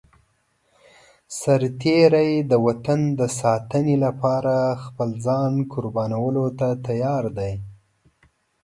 سرتېری د وطن د ساتنې لپاره خپل ځان قربانولو ته تيار دی.